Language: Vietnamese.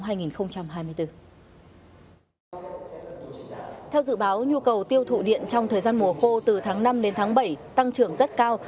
theo dự báo nhu cầu tiêu thụ điện trong thời gian mùa khô từ tháng năm đến tháng bảy tăng trưởng rất cao